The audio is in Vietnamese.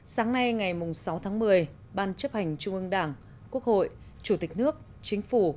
sáng nay ngày sáu tháng một mươi ban chấp hành trung ương đảng quốc hội chủ tịch nước chính phủ